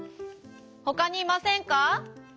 ほかにいませんか？